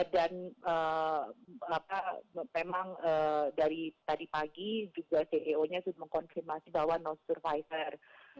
dan memang dari tadi pagi juga ceo nya sudah mengkonfirmasi bahwa no survivor